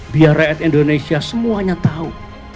biar rakyat indonesia semuanya tahu